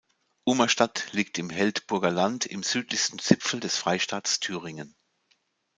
Ummerstadt liegt im Heldburger Land im südlichsten Zipfel des Freistaates Thüringen.